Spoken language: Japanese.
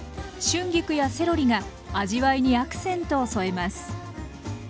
春菊やセロリが味わいにアクセントを添えます。